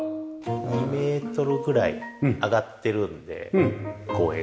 ２メートルぐらい上がってるので公園から。